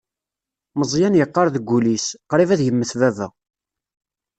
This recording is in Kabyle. Meẓyan yeqqar deg wul-is: Qrib ad immet baba.